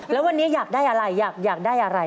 แล้ววันนี้อยากได้อะไรอยากได้อะไร